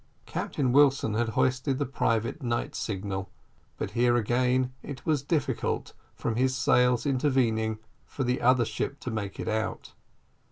Captain Wilson had hoisted the private night signal, but here again it was difficult, from his sails intervening, for the other ship to make it out.